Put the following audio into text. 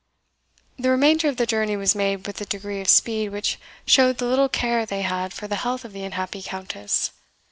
The remainder of the journey was made with a degree of speed which showed the little care they had for the health of the unhappy Countess.